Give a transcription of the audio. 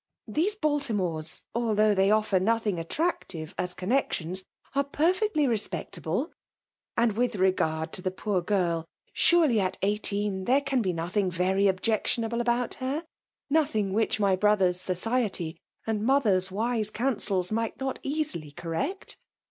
These Baltimords, although they offer nothing attractive as conn itca^ions, arc perfectly respectable. And with regard to the poor girl, surely at eighteen therls can be nothing very objectionaUe about her; Botiiing wUch xny 1jrother*8 society and my mother^s ynsc coitnaets might not easily cor« ixftt?